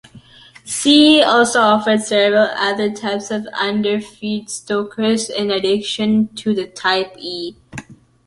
C-E also offered several other types of underfeed stokers in addition to the Type-E.